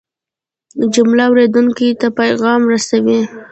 جمله اورېدونکي ته پیغام رسوي.